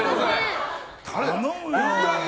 頼むよ。